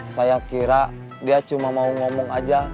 saya kira dia cuma mau ngomong aja